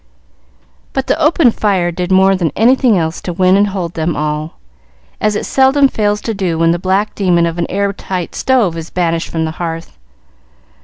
But the open fire did more than anything else to win and hold them all, as it seldom fails to do when the black demon of an airtight stove is banished from the hearth.